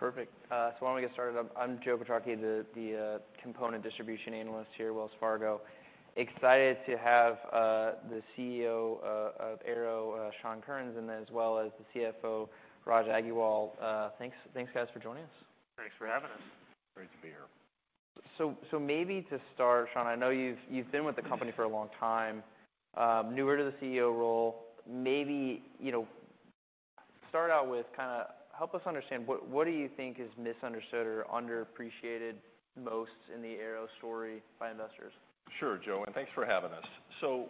Perfect. So why don't we get started? I'm Joe Quatrochi, the component distribution analyst here at Wells Fargo. Excited to have the CEO of Arrow, Sean Kerins, and as well as the CFO, Raj Agrawal. Thanks, guys, for joining us. Thanks for having us. Great to be here. So maybe to start, Sean, I know you've been with the company for a long time, newer to the CEO role. Maybe, you know, start out with kind of help us understand what do you think is misunderstood or underappreciated most in the Arrow story by investors? Sure, Joe, and thanks for having us. So,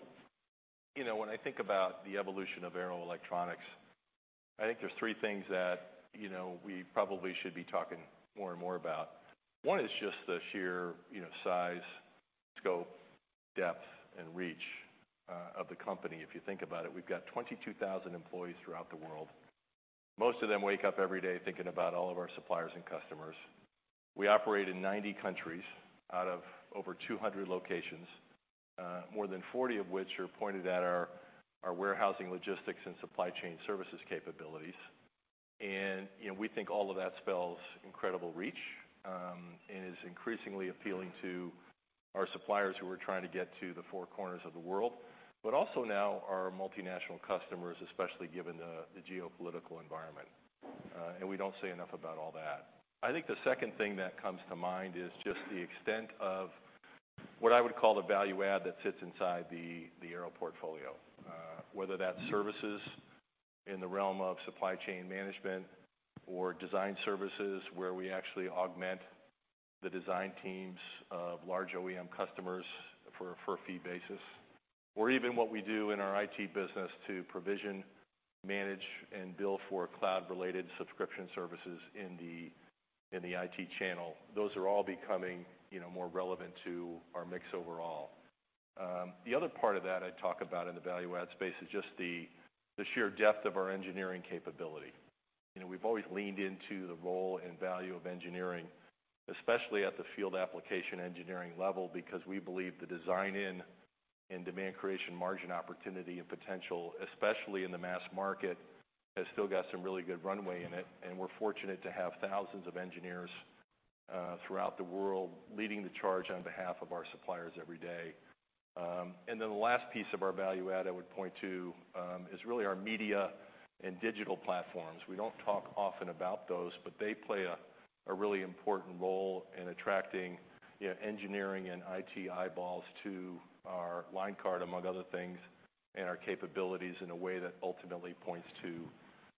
you know, when I think about the evolution of Arrow Electronics, I think there's three things that, you know, we probably should be talking more and more about. One is just the sheer, you know, size, scope, depth, and reach of the company. If you think about it, we've got 22,000 employees throughout the world. Most of them wake up every day thinking about all of our suppliers and customers. We operate in 90 countries out of over 200 locations, more than 40 of which are pointed at our warehousing, logistics, and supply chain services capabilities. You know, we think all of that spells incredible reach, and is increasingly appealing to our suppliers who are trying to get to the four corners of the world, but also now our multinational customers, especially given the geopolitical environment. We don't say enough about all that. I think the second thing that comes to mind is just the extent of what I would call the value add that sits inside the Arrow portfolio. Whether that's services in the realm of supply chain management or design services, where we actually augment the design teams of large OEM customers for a fee basis, or even what we do in our IT business to provision, manage, and bill for cloud-related subscription services in the IT channel. Those are all becoming, you know, more relevant to our mix overall. The other part of that I'd talk about in the value add space is just the sheer depth of our engineering capability. You know, we've always leaned into the role and value of engineering, especially at the field application engineering level, because we believe the design in and demand creation, margin, opportunity, and potential, especially in the mass market, has still got some really good runway in it, and we're fortunate to have thousands of engineers throughout the world leading the charge on behalf of our suppliers every day. And then the last piece of our value add I would point to is really our media and digital platforms. We don't talk often about those, but they play a really important role in attracting, you know, engineering and IT eyeballs to our line card, among other things, and our capabilities in a way that ultimately points to,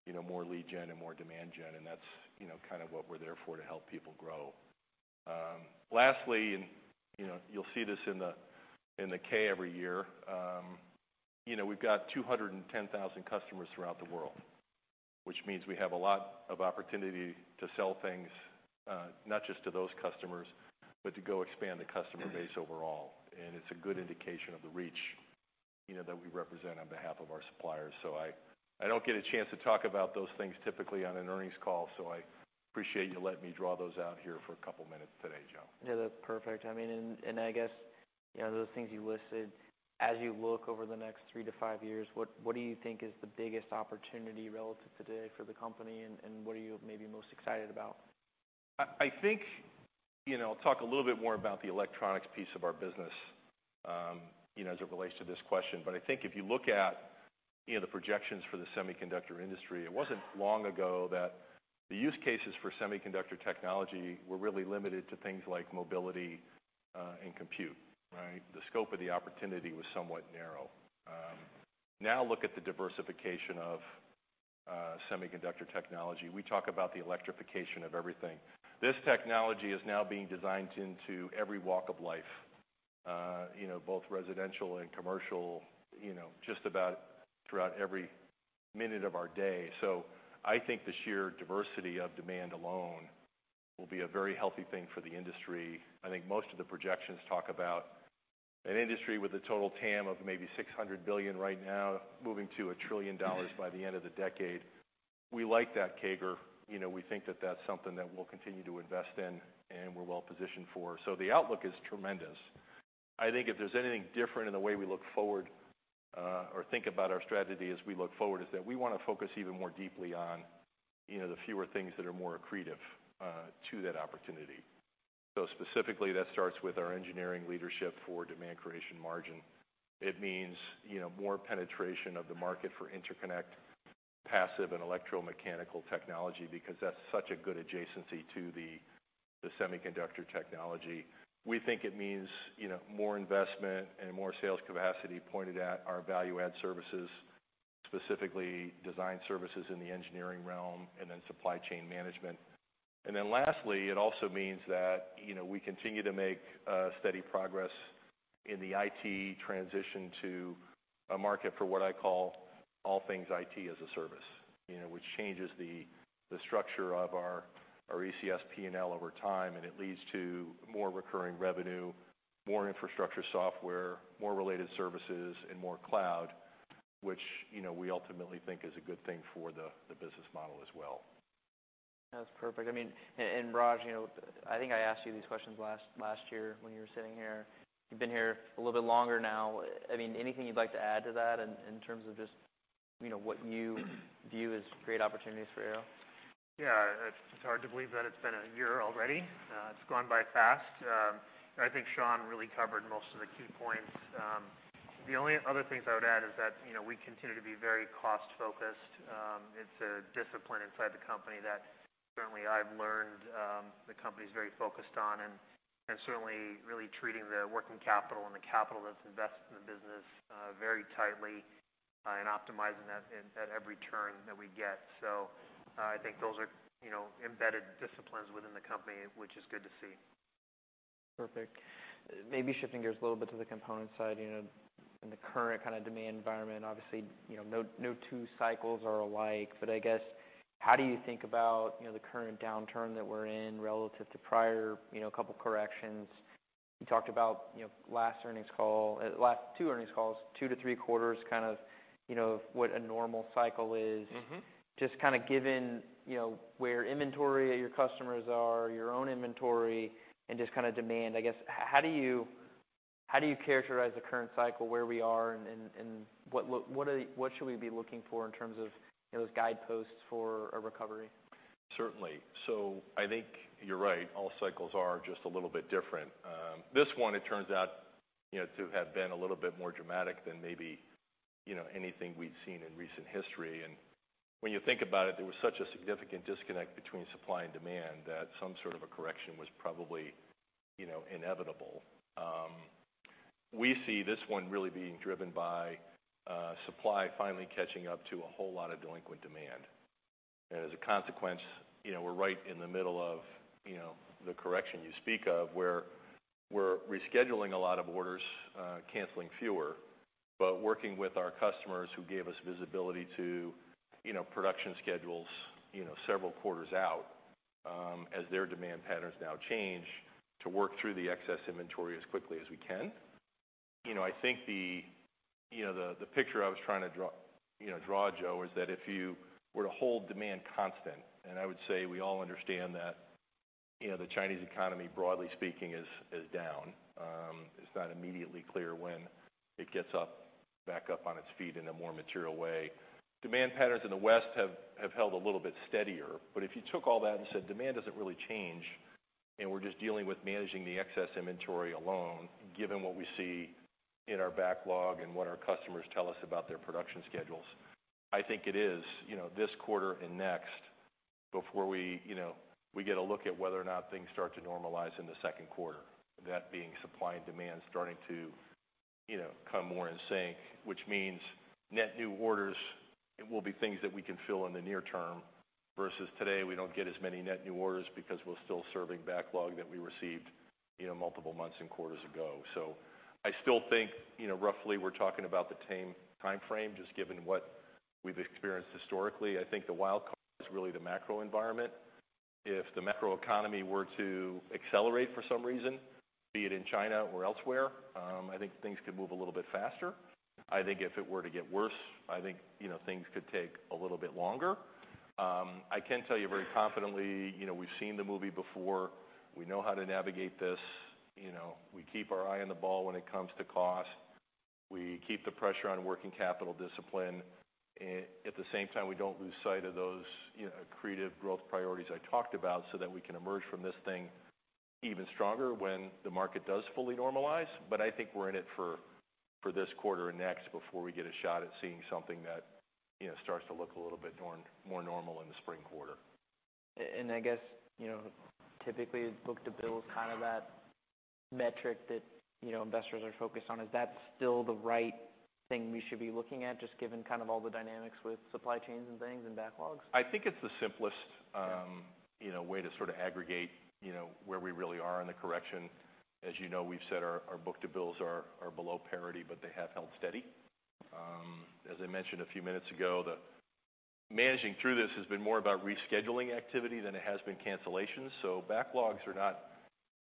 you know, more lead gen and more demand gen, and that's, you know, kind of what we're there for, to help people grow. Lastly, you know, you'll see this in the K every year, you know, we've got 210,000 customers throughout the world, which means we have a lot of opportunity to sell things, not just to those customers, but to go expand the customer base overall. It's a good indication of the reach, you know, that we represent on behalf of our suppliers. So I don't get a chance to talk about those things typically on an earnings call, so I appreciate you letting me draw those out here for a couple of minutes today, Joe. Yeah, that's perfect. I mean, and I guess, you know, those things you listed, as you look over the next three to five years, what do you think is the biggest opportunity relative today for the company, and what are you maybe most excited about? I think, you know, I'll talk a little bit more about the electronics piece of our business, you know, as it relates to this question. But I think if you look at, you know, the projections for the semiconductor industry, it wasn't long ago that the use cases for semiconductor technology were really limited to things like mobility, and compute, right? The scope of the opportunity was somewhat narrow. Now look at the diversification of, semiconductor technology. We talk about the electrification of everything. This technology is now being designed into every walk of life, you know, both residential and commercial, you know, just about throughout every minute of our day. So I think the sheer diversity of demand alone will be a very healthy thing for the industry. I think most of the projections talk about an industry with a total TAM of maybe $600 billion right now, moving to $1 trillion by the end of the decade. We like that CAGR. You know, we think that that's something that we'll continue to invest in, and we're well positioned for. So the outlook is tremendous. I think if there's anything different in the way we look forward, or think about our strategy as we look forward, is that we wanna focus even more deeply on, you know, the fewer things that are more accretive to that opportunity. So specifically, that starts with our engineering leadership for demand creation margin. It means, you know, more penetration of the market for Interconnect, Passive and Electromechanical technology, because that's such a good adjacency to the, the semiconductor technology. We think it means, you know, more investment and more sales capacity pointed at our value-add services, specifically design services in the engineering realm, and then supply chain management. And then lastly, it also means that, you know, we continue to make steady progress in the IT transition to a market for what I call All Things IT as a Service, you know, which changes the structure of our ECS P&L over time, and it leads to more recurring revenue, more infrastructure software, more related services, and more cloud, which, you know, we ultimately think is a good thing for the business model as well.... That's perfect. I mean, and, and Raj, you know, I think I asked you these questions last, last year when you were sitting here. You've been here a little bit longer now. I mean, anything you'd like to add to that in, in terms of just, you know, what you view as great opportunities for Arrow? Yeah, it's hard to believe that it's been a year already. It's gone by fast. I think Sean really covered most of the key points. The only other things I would add is that, you know, we continue to be very cost-focused. It's a discipline inside the company that certainly I've learned, the company's very focused on, and certainly really treating the working capital and the capital that's invested in the business, very tightly, and optimizing that at every turn that we get. So I think those are, you know, embedded disciplines within the company, which is good to see. Perfect. Maybe shifting gears a little bit to the component side, you know, in the current kind of demand environment, obviously, you know, no, no two cycles are alike. But I guess, how do you think about, you know, the current downturn that we're in relative to prior, you know, couple corrections? You talked about, you know, last earnings call, last two earnings calls, two to three quarters, kind of, you know, what a normal cycle is. Mm-hmm. Just kind of, given, you know, where inventory at your customers are, your own inventory, and just kind of demand, I guess, how do you characterize the current cycle, where we are and what should we be looking for in terms of, you know, those guideposts for a recovery? Certainly. So I think you're right. All cycles are just a little bit different. This one, it turns out, you know, to have been a little bit more dramatic than maybe, you know, anything we've seen in recent history. And when you think about it, there was such a significant disconnect between supply and demand, that some sort of a correction was probably, you know, inevitable. We see this one really being driven by supply finally catching up to a whole lot of delinquent demand. As a consequence, you know, we're right in the middle of, you know, the correction you speak of, where we're rescheduling a lot of orders, canceling fewer, but working with our customers who gave us visibility to, you know, production schedules, you know, several quarters out, as their demand patterns now change, to work through the excess inventory as quickly as we can. You know, I think the picture I was trying to draw, Joe, is that if you were to hold demand constant, and I would say we all understand that, you know, the Chinese economy, broadly speaking, is down. It's not immediately clear when it gets up, back up on its feet in a more material way. Demand patterns in the West have held a little bit steadier, but if you took all that and said, "Demand doesn't really change, and we're just dealing with managing the excess inventory alone," given what we see in our backlog and what our customers tell us about their production schedules, I think it is, you know, this quarter and next, before we, you know, we get a look at whether or not things start to normalize in the second quarter. That being supply and demand starting to, you know, come more in sync, which means net new orders. It will be things that we can fill in the near term, versus today, we don't get as many net new orders because we're still serving backlog that we received, you know, multiple months and quarters ago. So I still think, you know, roughly, we're talking about the same timeframe, just given what we've experienced historically. I think the wild card is really the macro environment. If the macro economy were to accelerate for some reason, be it in China or elsewhere, I think things could move a little bit faster. I think if it were to get worse, I think, you know, things could take a little bit longer. I can tell you very confidently, you know, we've seen the movie before. We know how to navigate this. You know, we keep our eye on the ball when it comes to cost. We keep the pressure on working capital discipline. At the same time, we don't lose sight of those, you know, creative growth priorities I talked about, so that we can emerge from this thing even stronger when the market does fully normalize. But I think we're in it for this quarter and next before we get a shot at seeing something that, you know, starts to look a little bit more normal in the spring quarter. I guess, you know, typically, book-to-bill is kind of that metric that, you know, investors are focused on. Is that still the right thing we should be looking at, just given kind of all the dynamics with supply chains and things and backlogs? I think it's the simplest. Yeah... you know, way to sort of aggregate, you know, where we really are in the correction. As you know, we've said our, our book-to-bills are, are below parity, but they have held steady. As I mentioned a few minutes ago, the managing through this has been more about rescheduling activity than it has been cancellations, so backlogs are not,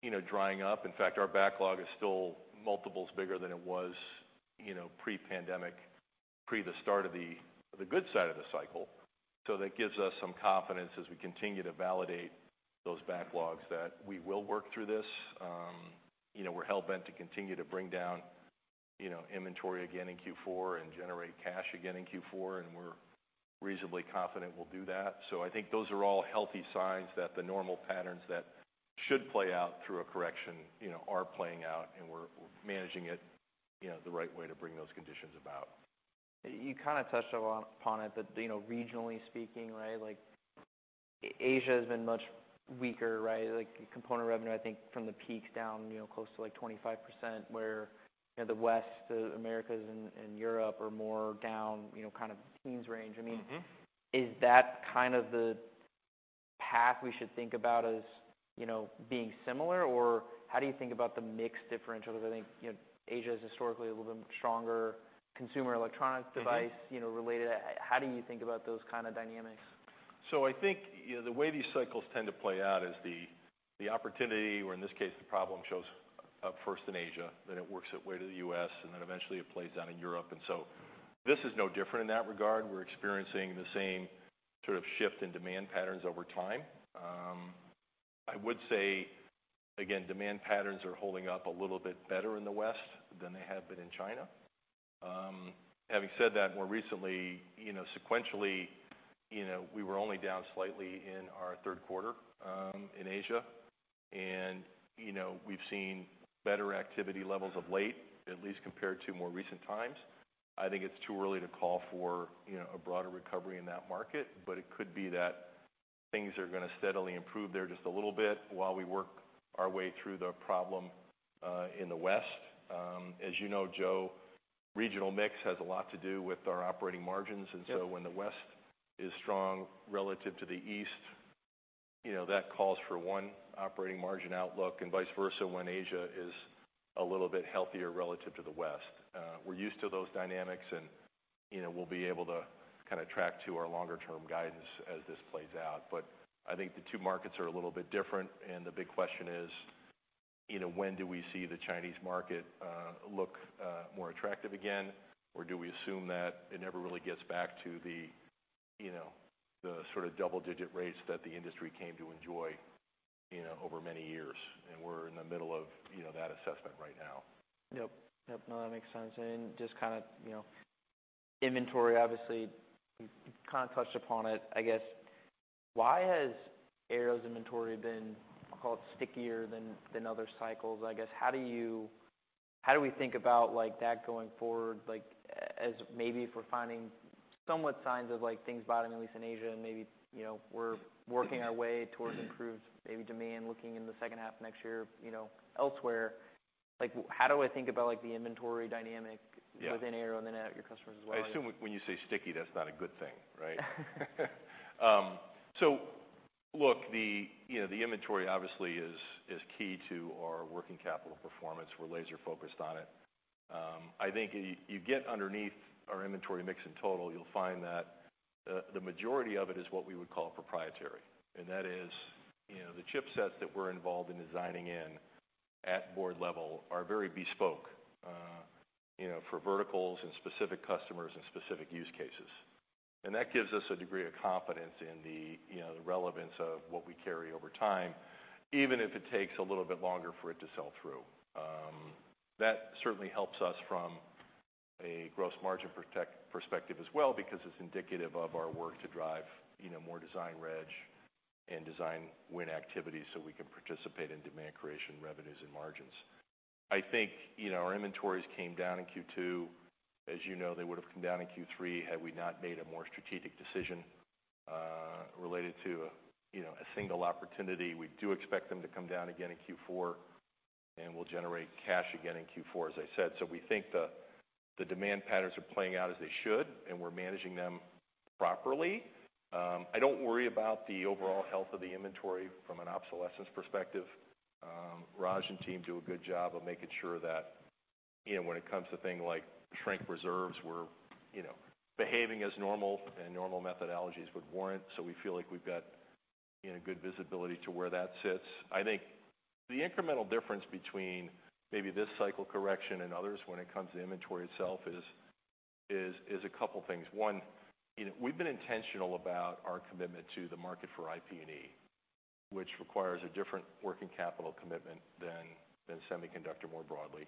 you know, drying up. In fact, our backlog is still multiples bigger than it was, you know, pre-pandemic, pre the start of the, the good side of the cycle. So that gives us some confidence as we continue to validate those backlogs, that we will work through this. You know, we're hell-bent to continue to bring down, you know, inventory again in Q4 and generate cash again in Q4, and we're reasonably confident we'll do that. I think those are all healthy signs that the normal patterns that should play out through a correction, you know, are playing out, and we're managing it, you know, the right way to bring those conditions about. You kind of touched upon it, that, you know, regionally speaking, right, like, Asia has been much weaker, right? Like, component revenue, I think from the peaks down, you know, close to, like, 25%, where, you know, the West, the Americas and, and Europe are more down, you know, kind of teens range. Mm-hmm. I mean, is that kind of the path we should think about as, you know, being similar? Or how do you think about the mix differential? Because I think, you know, Asia is historically a little bit stronger, consumer electronics- Mm-hmm... device, you know, related. How do you think about those kind of dynamics? So I think, you know, the way these cycles tend to play out is the opportunity, or in this case, the problem, shows up first in Asia, then it works its way to the U.S., and then eventually it plays out in Europe. And so this is no different in that regard. We're experiencing the same sort of shift in demand patterns over time. I would say, again, demand patterns are holding up a little bit better in the West than they have been in China. Having said that, more recently, you know, sequentially, you know, we were only down slightly in our third quarter in Asia. And, you know, we've seen better activity levels of late, at least compared to more recent times. I think it's too early to call for, you know, a broader recovery in that market, but it could be that things are gonna steadily improve there just a little bit while we work our way through the problem in the West. As you know, Joe, regional mix has a lot to do with our operating margins. Yep. And so when the West is strong relative to the East, you know, that calls for one operating margin outlook and vice versa, when Asia is a little bit healthier relative to the West. We're used to those dynamics and, you know, we'll be able to kind of track to our longer term guidance as this plays out. But I think the two markets are a little bit different, and the big question is, you know, when do we see the Chinese market look more attractive again? Or do we assume that it never really gets back to the, you know, the sort of double-digit rates that the industry came to enjoy, you know, over many years? And we're in the middle of, you know, that assessment right now. Yep. Yep, no, that makes sense. And just kind of, you know, inventory, obviously, you kind of touched upon it. I guess, why has Arrow's inventory been, call it, stickier than other cycles? I guess, how do you, how do we think about, like, that going forward? Like, as maybe if we're finding somewhat signs of, like, things bottoming, at least in Asia, and maybe, you know, we're working our way towards improved maybe demand, looking in the second half of next year, you know, elsewhere. Like, how do I think about, like, the inventory dynamic- Yeah... within Arrow and then at your customers as well? I assume when you say sticky, that's not a good thing, right? So look, the, you know, the inventory obviously is key to our working capital performance. We're laser-focused on it. I think you get underneath our inventory mix in total, you'll find that the majority of it is what we would call proprietary. And that is, you know, the chipsets that we're involved in designing in at board level are very bespoke, you know, for verticals and specific customers and specific use cases. And that gives us a degree of confidence in the, you know, the relevance of what we carry over time, even if it takes a little bit longer for it to sell through. That certainly helps us from a gross margin perspective as well, because it's indicative of our work to drive, you know, more design reg and design win activities, so we can participate in demand creation, revenues, and margins. I think, you know, our inventories came down in Q2. As you know, they would have come down in Q3 had we not made a more strategic decision, related to, you know, a single opportunity. We do expect them to come down again in Q4, and we'll generate cash again in Q4, as I said. So we think the demand patterns are playing out as they should, and we're managing them properly. I don't worry about the overall health of the inventory from an obsolescence perspective. Raj and team do a good job of making sure that, you know, when it comes to things like shrink reserves, we're, you know, behaving as normal and normal methodologies would warrant. So we feel like we've got, you know, good visibility to where that sits. I think the incremental difference between maybe this cycle correction and others when it comes to inventory itself is a couple things. One, you know, we've been intentional about our commitment to the market for IP&E, which requires a different working capital commitment than semiconductor more broadly.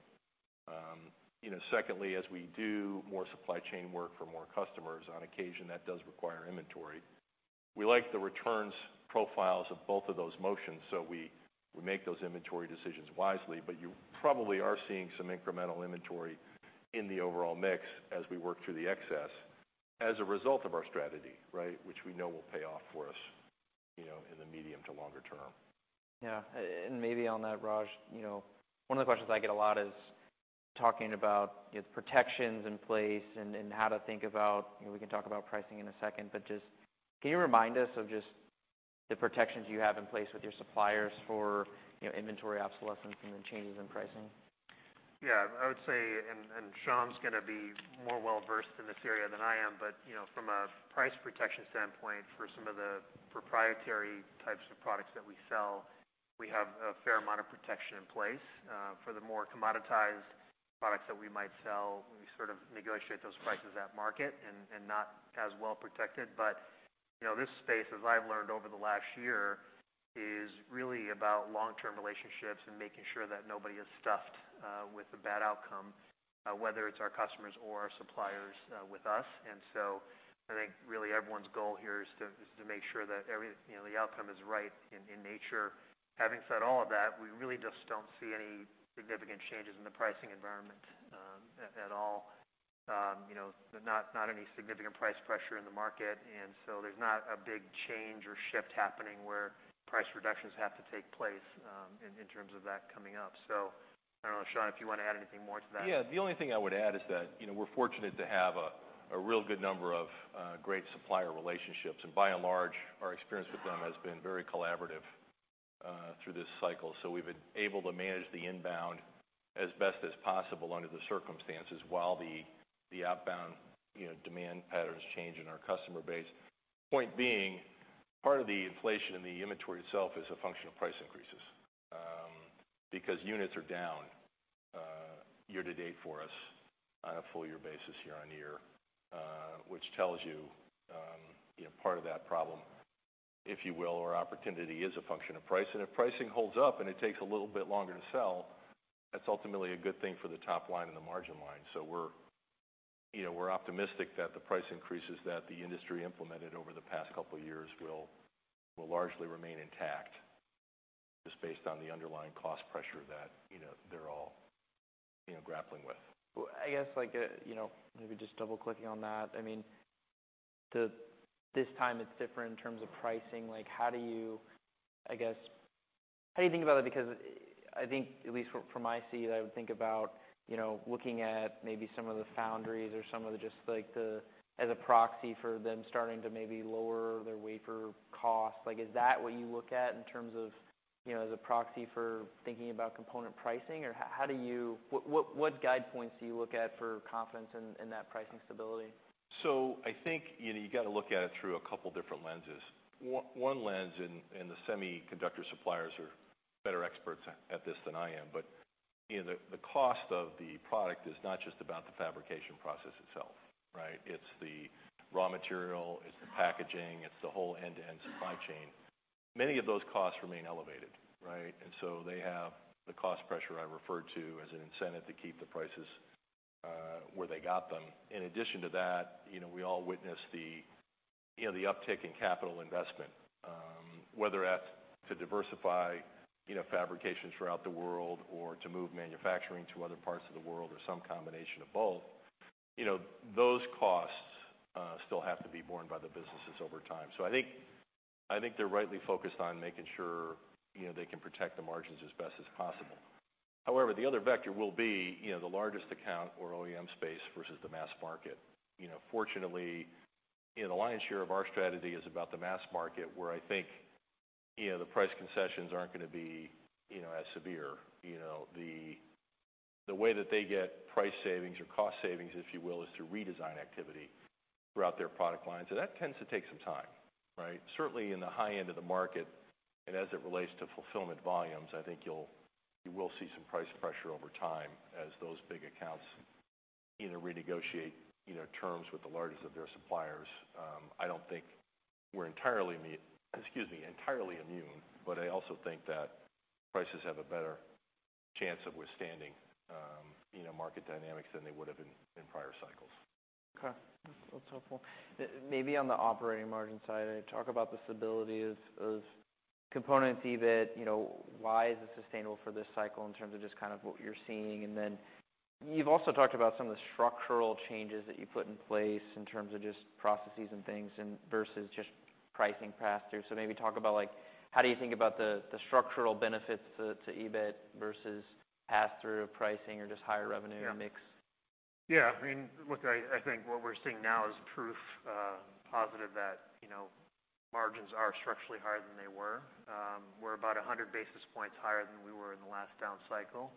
Secondly, as we do more supply chain work for more customers, on occasion, that does require inventory. We like the returns profiles of both of those motions, so we make those inventory decisions wisely. But you probably are seeing some incremental inventory in the overall mix as we work through the excess as a result of our strategy, right, which we know will pay off for us, you know, in the medium to longer term. Yeah. And maybe on that, Raj, you know, one of the questions I get a lot is talking about the protections in place and, and how to think about, you know, we can talk about pricing in a second, but just can you remind us of just the protections you have in place with your suppliers for, you know, inventory obsolescence and the changes in pricing? Yeah, I would say, and Sean's gonna be more well-versed in this area than I am, but you know, from a price protection standpoint, for some of the proprietary types of products that we sell, we have a fair amount of protection in place. For the more commoditized products that we might sell, we sort of negotiate those prices at market and not as well protected. But, you know, this space, as I've learned over the last year, is really about long-term relationships and making sure that nobody is stuffed with a bad outcome, whether it's our customers or our suppliers with us. And so I think really everyone's goal here is to make sure that every, you know, the outcome is right in nature. Having said all of that, we really just don't see any significant changes in the pricing environment, at all. You know, not any significant price pressure in the market. And so there's not a big change or shift happening, where price reductions have to take place, in terms of that coming up. So I don't know, Sean, if you want to add anything more to that? Yeah, the only thing I would add is that, you know, we're fortunate to have a real good number of great supplier relationships. And by and large, our experience with them has been very collaborative through this cycle. So we've been able to manage the inbound as best as possible under the circumstances, while the outbound, you know, demand patterns change in our customer base. Point being, part of the inflation in the inventory itself is a function of price increases because units are down year to date for us on a full year basis, year-on-year. Which tells you, you know, part of that problem, if you will, or opportunity, is a function of price. And if pricing holds up and it takes a little bit longer to sell, that's ultimately a good thing for the top line and the margin line. So we're, you know, we're optimistic that the price increases that the industry implemented over the past couple of years will largely remain intact, just based on the underlying cost pressure that, you know, they're all, you know, grappling with. Well, I guess, like, you know, maybe just double-clicking on that. I mean, this time it's different in terms of pricing. Like, how do you... I guess, how do you think about it? Because I think, at least from my seat, I would think about, you know, looking at maybe some of the foundries or some of the, just like the, as a proxy for them starting to maybe lower their wafer costs. Like, is that what you look at in terms of, you know, as a proxy for thinking about component pricing? Or how do you—what guide points do you look at for confidence in that pricing stability? So I think, you know, you got to look at it through a couple different lenses. One lens, and the semiconductor suppliers are better experts at this than I am, but you know, the cost of the product is not just about the fabrication process itself, right? It's the raw material, it's the packaging, it's the whole end-to-end supply chain. Many of those costs remain elevated, right? And so they have the cost pressure I referred to as an incentive to keep the prices where they got them. In addition to that, you know, we all witness you know, the uptick in capital investment, whether that's to diversify, you know, fabrications throughout the world, or to move manufacturing to other parts of the world, or some combination of both. You know, those costs still have to be borne by the businesses over time. So I think, I think they're rightly focused on making sure, you know, they can protect the margins as best as possible. However, the other vector will be, you know, the largest account or OEM space versus the mass market. You know, fortunately, you know, the lion's share of our strategy is about the mass market, where I think, you know, the price concessions aren't gonna be, you know, as severe. You know, the, the way that they get price savings or cost savings, if you will, is through redesign activity throughout their product line. So that tends to take some time, right? Certainly, in the high end of the market, and as it relates to fulfillment volumes, I think you will see some price pressure over time as those big accounts either renegotiate, you know, terms with the largest of their suppliers. I don't think we're entirely immune, but I also think that prices have a better chance of withstanding, you know, market dynamics than they would have in prior cycles. Okay. That's, that's helpful. Maybe on the operating margin side, talk about the stability of components, EBIT. You know, why is it sustainable for this cycle in terms of just kind of what you're seeing? And then you've also talked about some of the structural changes that you put in place in terms of just processes and things, and versus just pricing pass-through. So maybe talk about, like, how do you think about the structural benefits to EBIT versus pass-through pricing or just higher revenue and mix? Yeah, I mean, look, I think what we're seeing now is proof positive that, you know, margins are structurally higher than they were. We're about 100 basis points higher than we were in the last down cycle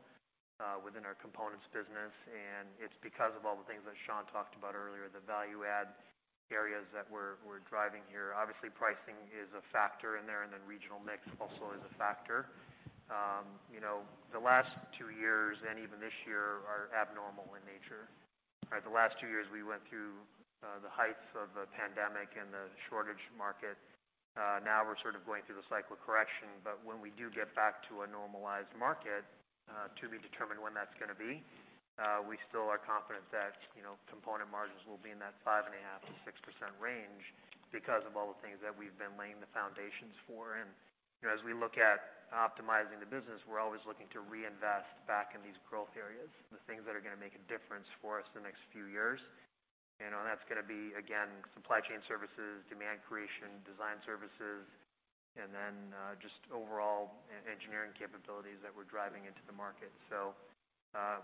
within our components business, and it's because of all the things that Sean talked about earlier, the value add areas that we're driving here. Obviously, pricing is a factor in there, and then regional mix also is a factor. You know, the last two years and even this year are abnormal in nature, right? The last two years, we went through the heights of the pandemic and the shortage market. Now we're sort of going through the cycle correction, but when we do get back to a normalized market, to be determined when that's gonna be, we still are confident that, you know, component margins will be in that 5.5%-6% range because of all the things that we've been laying the foundations for. You know, as we look at optimizing the business, we're always looking to reinvest back in these growth areas, the things that are gonna make a difference for us the next few years. You know, and that's gonna be, again, supply chain services, demand creation, design services, and then just overall engineering capabilities that we're driving into the market. So,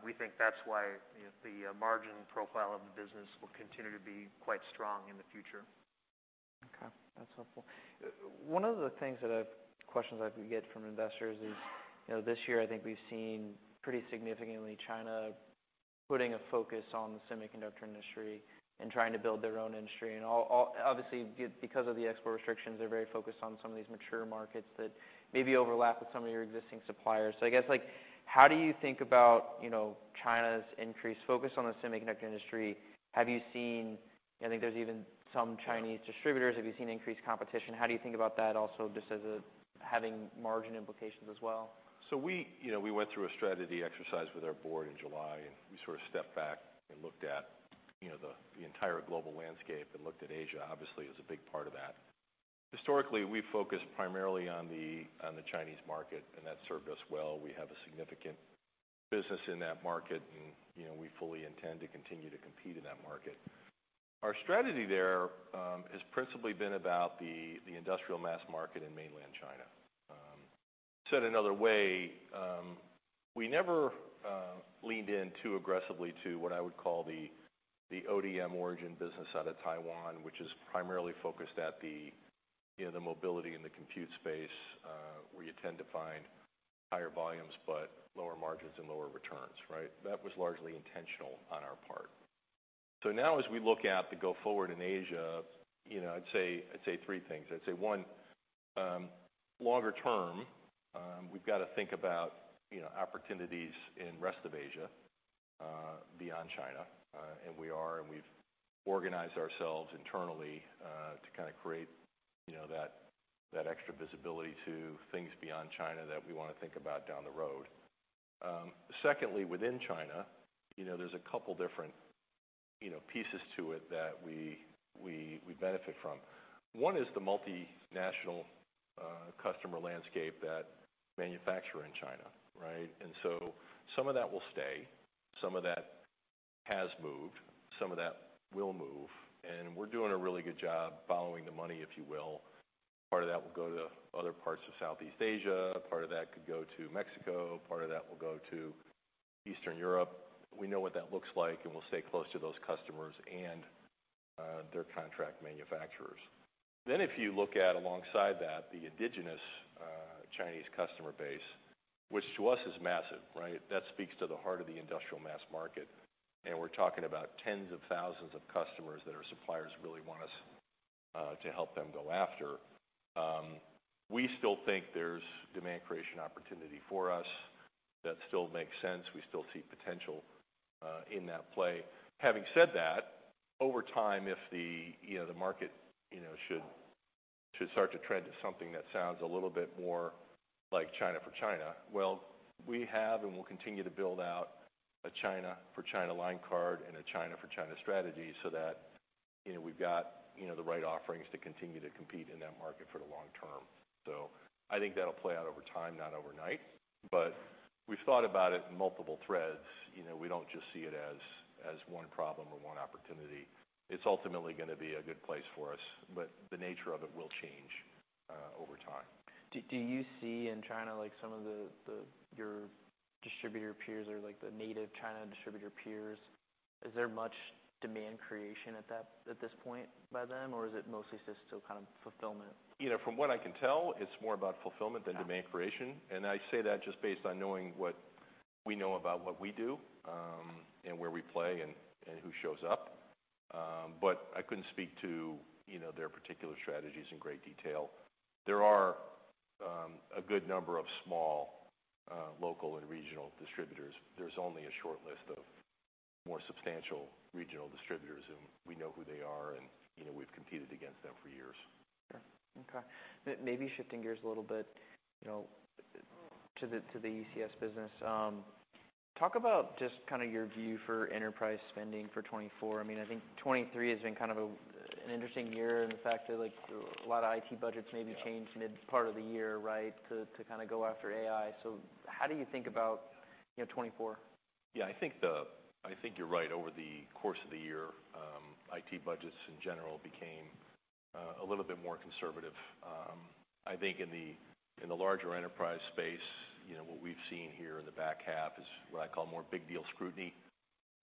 we think that's why, you know, the margin profile of the business will continue to be quite strong in the future. Okay, that's helpful. One of the things that questions I get from investors is, you know, this year, I think we've seen pretty significantly, China putting a focus on the semiconductor industry and trying to build their own industry. And obviously, because of the export restrictions, they're very focused on some of these mature markets that maybe overlap with some of your existing suppliers. So I guess, like, how do you think about, you know, China's increased focus on the semiconductor industry? Have you seen... I think there's even some Chinese distributors. Have you seen increased competition? How do you think about that also, just as a having margin implications as well? So we, you know, we went through a strategy exercise with our board in July, and we sort of stepped back and looked at, you know, the entire global landscape and looked at Asia, obviously, as a big part of that. Historically, we focused primarily on the Chinese market, and that served us well. We have a significant business in that market and, you know, we fully intend to continue to compete in that market. Our strategy there has principally been about the industrial mass market in mainland China. Said another way, we never leaned in too aggressively to what I would call the ODM origin business out of Taiwan, which is primarily focused at you know, the mobility in the compute space, where you tend to find higher volumes, but lower margins and lower returns, right? That was largely intentional on our part. So now as we look out to go forward in Asia, you know, I'd say, I'd say three things. I'd say, one, longer term, we've got to think about, you know, opportunities in rest of Asia, beyond China. And we are, and we've organized ourselves internally, to kind of create, you know, that, that extra visibility to things beyond China that we wanna think about down the road. Secondly, within China, you know, there's a couple different, you know, pieces to it that we, we, we benefit from. One is the multinational, customer landscape that manufacture in China, right? And so some of that will stay, some of that has moved, some of that will move, and we're doing a really good job following the money, if you will. Part of that will go to other parts of Southeast Asia, part of that could go to Mexico, part of that will go to Eastern Europe. We know what that looks like, and we'll stay close to those customers and their contract manufacturers. Then, if you look at, alongside that, the indigenous Chinese customer base, which to us is massive, right? That speaks to the heart of the industrial mass market, and we're talking about tens of thousands of customers that our suppliers really want us to help them go after. We still think there's demand creation opportunity for us that still makes sense. We still see potential in that play. Having said that, over time, if the, you know, the market, you know, should start to trend to something that sounds a little bit more like China for China, well, we have and will continue to build out a China for China line card and a China for China strategy, so that, you know, we've got, you know, the right offerings to continue to compete in that market for the long term. So I think that'll play out over time, not overnight, but we've thought about it in multiple threads. You know, we don't just see it as one problem or one opportunity. It's ultimately gonna be a good place for us, but the nature of it will change over time. Do you see in China, like, some of the your distributor peers or, like, the native China distributor peers, is there much demand creation at this point by them, or is it mostly just still kind of fulfillment? You know, from what I can tell, it's more about fulfillment than demand creation. Got it. And I say that just based on knowing what we know about what we do, and where we play and who shows up. But I couldn't speak to, you know, their particular strategies in great detail. There are a good number of small, local and regional distributors. There's only a short list of more substantial regional distributors, and we know who they are and, you know, we've competed against them for years. Sure. Okay. Maybe shifting gears a little bit, you know, to the ECS business. Talk about just kind of your view for enterprise spending for 2024. I mean, I think 2023 has been kind of an interesting year in the fact that, like, a lot of IT budgets maybe- Yeah... changed mid part of the year, right? To, to kind of go after AI. So how do you think about, you know, 2024? Yeah, I think you're right. Over the course of the year, IT budgets in general became a little bit more conservative. I think in the larger enterprise space, you know, what we've seen here in the back half is what I call more big deal scrutiny,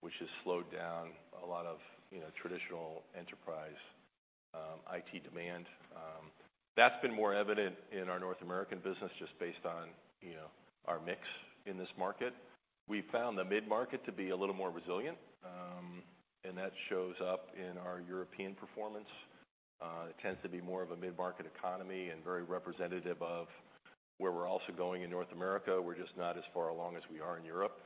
which has slowed down a lot of, you know, traditional enterprise IT demand. That's been more evident in our North American business just based on, you know, our mix in this market. We found the mid-market to be a little more resilient, and that shows up in our European performance. It tends to be more of a mid-market economy and very representative of where we're also going in North America. We're just not as far along as we are in Europe.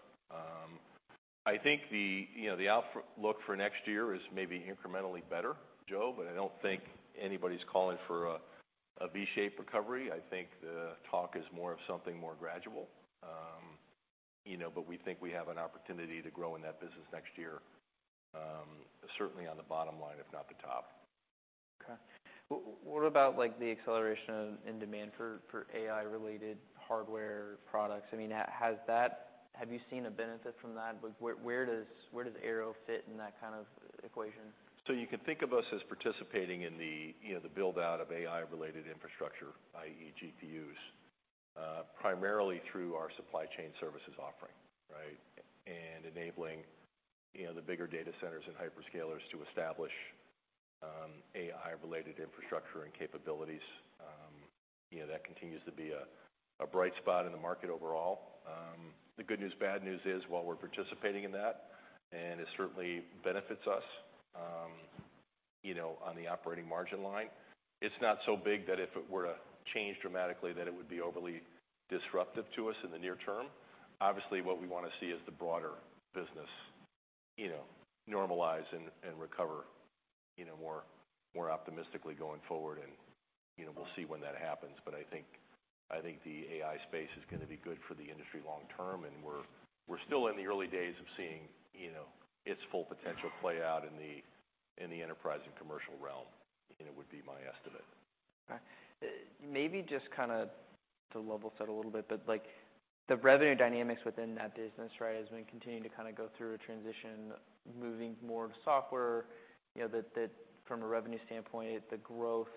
I think the, you know, the outlook for next year is maybe incrementally better, Joe, but I don't think anybody's calling for a V-shaped recovery. I think the talk is more of something more gradual. You know, but we think we have an opportunity to grow in that business next year, certainly on the bottom line, if not the top. Okay. What about, like, the acceleration of in demand for AI-related hardware products? I mean, has that... Have you seen a benefit from that? Like, where does Arrow fit in that kind of equation? So you can think of us as participating in the, you know, the build-out of AI-related infrastructure, i.e., GPUs, primarily through our supply chain services offering, right? And enabling, you know, the bigger data centers and hyperscalers to establish AI-related infrastructure and capabilities. You know, that continues to be a bright spot in the market overall. The good news, bad news is, while we're participating in that, and it certainly benefits us, you know, on the operating margin line, it's not so big that if it were to change dramatically, that it would be overly disruptive to us in the near term. Obviously, what we wanna see is the broader business, you know, normalize and recover, you know, more optimistically going forward. And, you know, we'll see when that happens. But I think, I think the AI space is gonna be good for the industry long term, and we're, we're still in the early days of seeing, you know, its full potential play out in the, in the enterprise and commercial realm, and it would be my estimate. Okay. Maybe just kind of to level set a little bit, but, like, the revenue dynamics within that business right, has been continuing to kind of go through a transition, moving more to software, you know, that from a revenue standpoint, the growth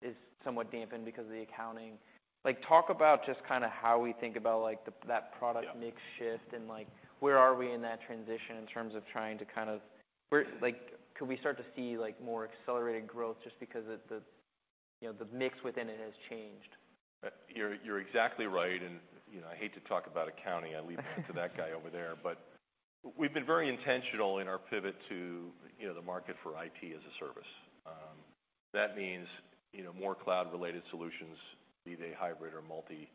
is somewhat dampened because of the accounting. Like, talk about just kind of how we think about, like, that product- Yeah... mix shift and, like, where are we in that transition in terms of trying to kind of... Where, like, could we start to see, like, more accelerated growth just because of the... you know, the mix within it has changed. You're, you're exactly right, and, you know, I hate to talk about accounting. I leave that to that guy over there. But we've been very intentional in our pivot to, you know, the market for IT as a service. That means, you know, more cloud-related solutions, be they hybrid or multi,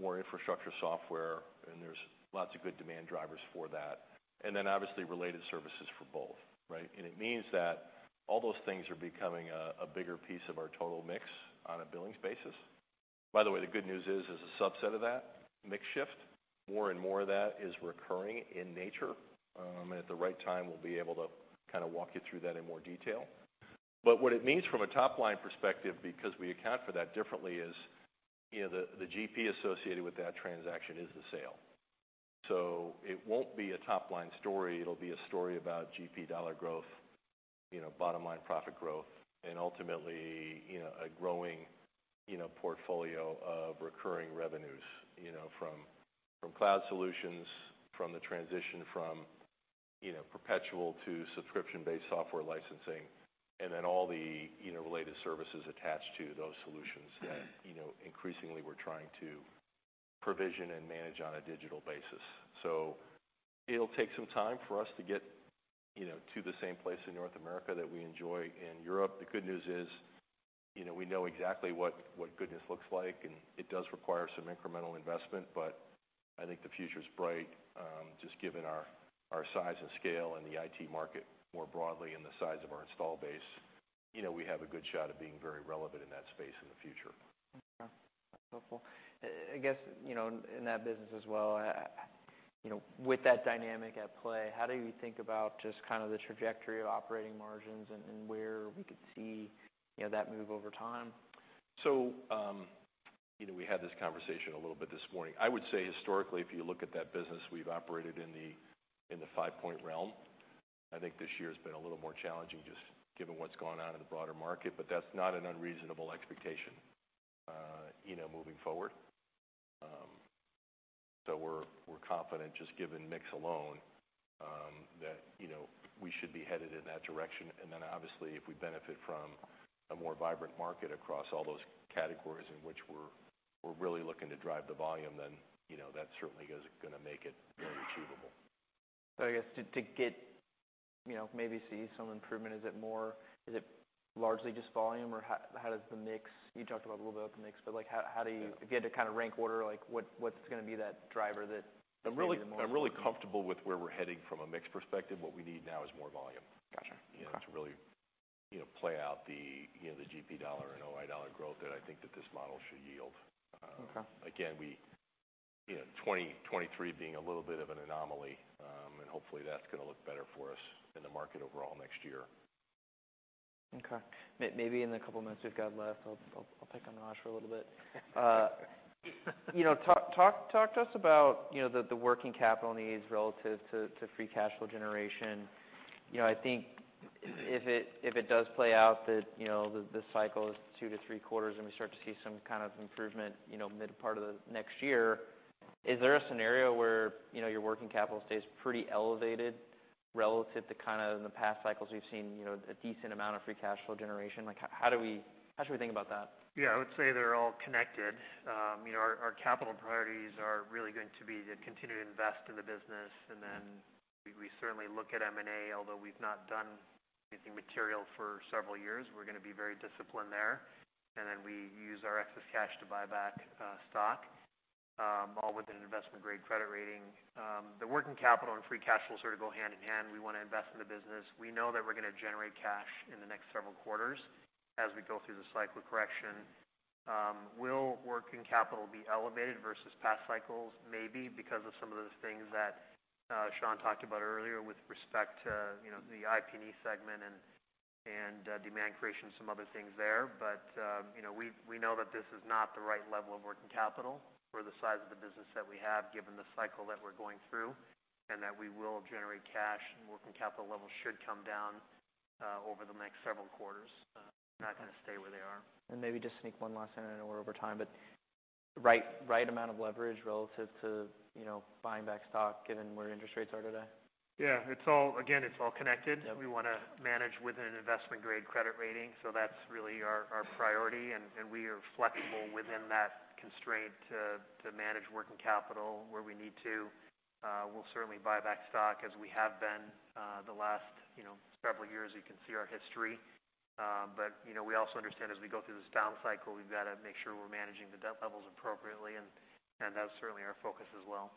more infrastructure software, and there's lots of good demand drivers for that. And then obviously, related services for both, right? And it means that all those things are becoming a bigger piece of our total mix on a billings basis. By the way, the good news is, as a subset of that mix shift, more and more of that is recurring in nature. And at the right time, we'll be able to kind of walk you through that in more detail. But what it means from a top-line perspective, because we account for that differently, is, you know, the GP associated with that transaction is the sale. So it won't be a top-line story, it'll be a story about GP dollar growth, you know, bottom line profit growth, and ultimately, you know, a growing, you know, portfolio of recurring revenues. You know, from cloud solutions, from the transition from, you know, perpetual to subscription-based software licensing, and then all the, you know, related services attached to those solutions that, you know, increasingly we're trying to provision and manage on a digital basis. So it'll take some time for us to get, you know, to the same place in North America that we enjoy in Europe. The good news is, you know, we know exactly what goodness looks like, and it does require some incremental investment, but I think the future is bright, just given our size and scale in the IT market more broadly and the size of our install base. You know, we have a good shot at being very relevant in that space in the future. Okay, helpful. I guess, you know, in that business as well, you know, with that dynamic at play, how do you think about just kind of the trajectory of operating margins and where we could see, you know, that move over time? So, you know, we had this conversation a little bit this morning. I would say historically, if you look at that business, we've operated in the five-point realm. I think this year's been a little more challenging, just given what's going on in the broader market, but that's not an unreasonable expectation, you know, moving forward. So we're confident, just given mix alone, that, you know, we should be headed in that direction. And then obviously, if we benefit from a more vibrant market across all those categories in which we're really looking to drive the volume, then, you know, that certainly is gonna make it very achievable. So I guess to get... You know, maybe see some improvement, is it more- is it largely just volume, or how does the mix... You talked about a little bit about the mix, but, like, how do you- Yeah. If you had to kind of rank order, like, what's gonna be that driver that- I'm really, I'm really comfortable with where we're heading from a mix perspective. What we need now is more volume. Gotcha. You know, to really, you know, play out the, you know, the GP dollar and OI dollar growth that I think that this model should yield. Okay. Again, we, you know, 2023 being a little bit of an anomaly, and hopefully, that's gonna look better for us in the market overall next year. Okay. Maybe in the couple of minutes we've got left, I'll pick on Raj for a little bit. You know, talk to us about, you know, the working capital needs relative to free cash flow generation. You know, I think if it does play out that, you know, this cycle is 2-3 quarters, and we start to see some kind of improvement, you know, mid part of the next year, is there a scenario where, you know, your working capital stays pretty elevated relative to kind of in the past cycles we've seen, you know, a decent amount of free cash flow generation? Like, how do we - how should we think about that? Yeah, I would say they're all connected. You know, our, our capital priorities are really going to be to continue to invest in the business, and then we, we certainly look at M&A. Although we've not done anything material for several years, we're gonna be very disciplined there. And then we use our excess cash to buy back, stock, all with an investment-grade credit rating. The working capital and free cash flow sort of go hand in hand. We wanna invest in the business. We know that we're gonna generate cash in the next several quarters as we go through the cycle of correction. Will working capital be elevated versus past cycles? Maybe, because of some of those things that, Sean talked about earlier with respect to, you know, the IP&E segment and, and, demand creation, some other things there. But, you know, we know that this is not the right level of working capital for the size of the business that we have, given the cycle that we're going through, and that we will generate cash, and working capital levels should come down over the next several quarters. Not gonna stay where they are. Maybe just sneak one last in. I know we're over time, but right, right amount of leverage relative to, you know, buying back stock, given where interest rates are today? Yeah, it's all, again, it's all connected. Yeah. We wanna manage with an investment-grade credit rating, so that's really our priority, and we are flexible within that constraint to manage working capital where we need to. We'll certainly buy back stock as we have been the last, you know, several years. You can see our history. But, you know, we also understand as we go through this down cycle, we've got to make sure we're managing the debt levels appropriately, and that's certainly our focus as well.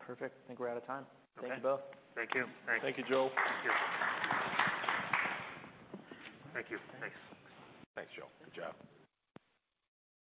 Perfect. I think we're out of time. Okay. Thank you both. Thank you. Thanks. Thank you, Joe. Thank you. Thanks. Thanks, Joe. Good job.